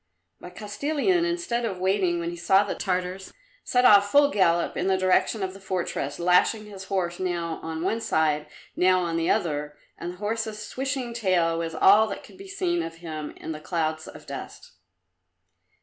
But Kostilin, instead of waiting when he saw the Tartars, set off full gallop in the direction of the fortress, lashing his horse now on one side, now on the other, and the horse's switching tail was all that could be seen of him in the clouds of dust.